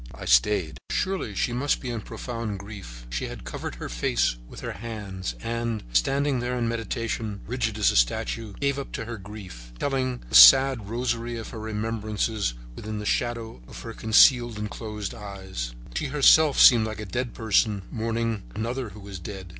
I stayed. "Surely she must be in profound grief. She had covered her face with her hands and, standing there in meditation, rigid as a statue, given up to her grief, telling the sad rosary of her remembrances within the shadow of her concealed and closed eyes, she herself seemed like a dead person mourning another who was dead.